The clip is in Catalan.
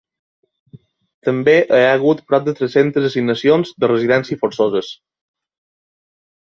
També hi ha hagut prop de tres-centes assignacions de residència forçoses.